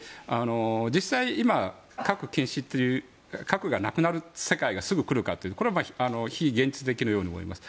実際、今核がなくなる世界がすぐ来るかというとこれは非現実的なように思います。